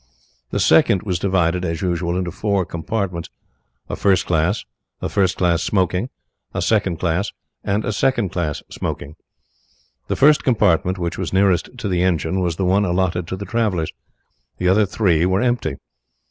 The second was divided, as usual, into four compartments, a first class, a first class smoking, a second class, and a second class smoking. The first compartment, which was nearest to the engine, was the one allotted to the travellers. The other three were empty.